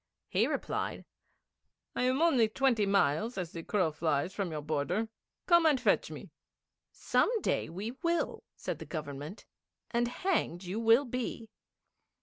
He replied: 'I am only twenty miles, as the crow flies, from your border. Come and fetch me.' 'Some day we will come,' said the Government, 'and hanged you will be.'